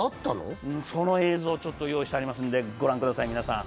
その映像を用意してありますので御覧ください、皆さん。